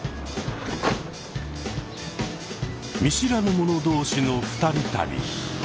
見知らぬ者同士の二人旅。